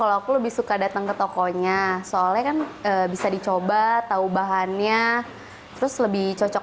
kalau aku lebih suka datang ke tokonya soalnya kan bisa dicoba tahu bahannya terus lebih cocok